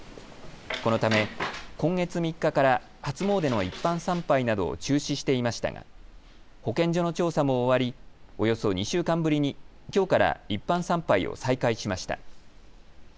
このため今月３日から初詣の一般参拝などを中止していましたが保健所の調査も終わりおよそ２週間ぶりにきょうから一般参拝を再開しました。